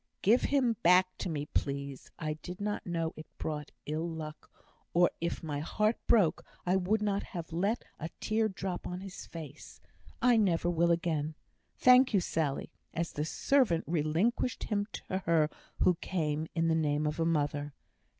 "Give him back to me, please. I did not know it brought ill luck, or if my heart broke I would not have let a tear drop on his face I never will again. Thank you, Sally," as the servant relinquished him to her who came in the name of a mother.